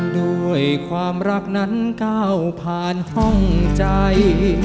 ด้วยความรักนั้นก้าวผ่านท่องใจ